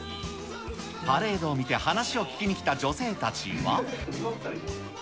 パレードを見て話を聞きに来た女性たちは。